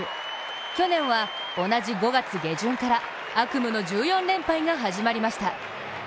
去年は同じ５月下旬から悪夢の１４連敗が始まりました。